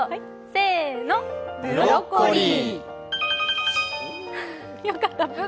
せーの、ブロッコリー。